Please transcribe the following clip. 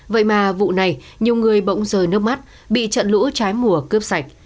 vậy mà vụ này nhiều người bỗng rời nước mắt bị trận lũ trái mùa cướp sạch